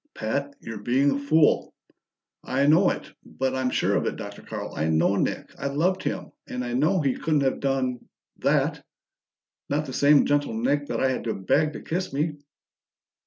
"Pat, you're being a fool!" "I know it. But I'm sure of it, Dr. Carl. I know Nick; I loved him, and I know he couldn't have done that. Not the same gentle Nick that I had to beg to kiss me!"